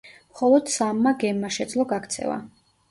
მხოლოდ სამმა გემმა შეძლო გაქცევა.